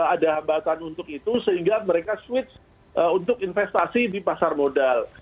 ada hambatan untuk itu sehingga mereka switch untuk investasi di pasar modal